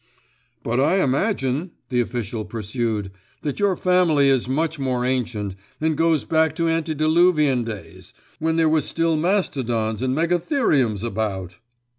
'But I imagine,' the official pursued, 'that your family is much more ancient, and goes back to antediluvian days, when there were still mastodons and megatheriums about.